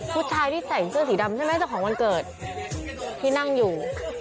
ผู้ชายที่ใส่เสื้อสีดำใช่ไหมเจ้าของวันเกิดที่นั่งอยู่